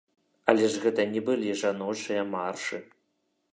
Але ж гэта не былі жаночыя маршы!